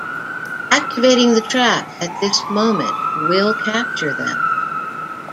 Activating the trap at this moment will capture them.